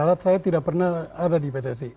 alat saya tidak pernah ada di pssi